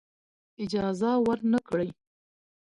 اجازه ورنه کړی.